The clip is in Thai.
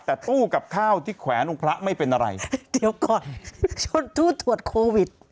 แต่ตู้กับข้าวที่แขวนองค์พระไม่เป็นอะไรเดี๋ยวก่อนชุดตู้ตรวจโควิด